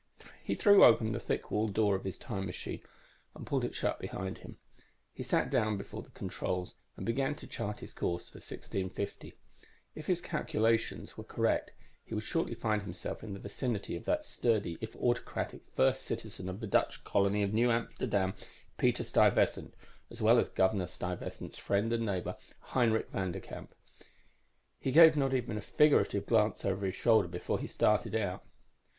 _ _He threw open the thick walled door of his time machine and pulled it shut behind him. He sat down before the controls and began to chart his course for 1650. If his calculations were correct, he would shortly find himself in the vicinity of that sturdy if autocratic first citizen of the Dutch colony of New Amsterdam, Peter Stuyvesant, as well as Governor Stuyvesant's friend and neighbor, Heinrich Vanderkamp. He gave not even a figurative glance over his shoulder before he started out.